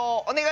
お！